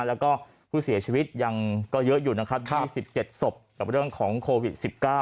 แล้วก็ผู้เสียชีวิตยังก็เยอะอยู่นะครับ๒๗ศพกับเรื่องของโควิด๑๙